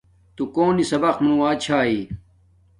تݸ کݸنݵ سَبَق مُنُوݳ چھݳئی؟